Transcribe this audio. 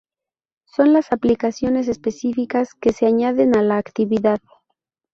Son las aplicaciones específicas que se añaden a la actividad.